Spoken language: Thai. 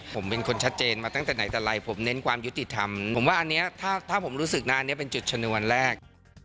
ผมเป็นคนชัดเจนมาตั้งแต่ไหนแต่ไรผมเน้นความยุติธรรมผมว่าอันนี้ถ้าผมรู้สึกนะอันนี้เป็นจุดชนวนแรก